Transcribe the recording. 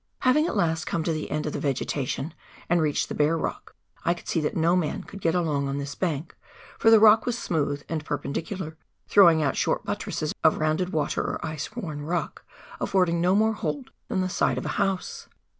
Having at last come to the end of the vegetation and reached the bare rock, I could see that no man could get along on this bank, for the rock was smooth and perpendicular, throwing out short buttresses of rounded water or ice worn rock, afibrding no more hold than the side of a house.